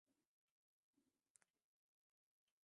aliandamana wakipinga mabadiliko hayo